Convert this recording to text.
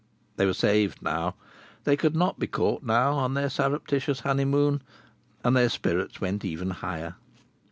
They were saved now. They could not be caught now on their surreptitious honeymoon. And their spirits went even higher.